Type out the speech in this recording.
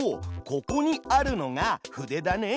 ここにあるのが筆だね。